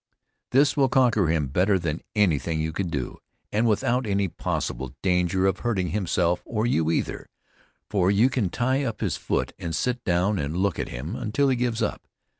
This will conquer him better than anything you could do, and without any possible danger of hurting himself or you either, for you can tie up his foot and sit down and look at him until he gives up.